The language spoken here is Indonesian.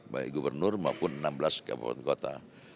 baik gubernur maupun enam belas kabupaten kota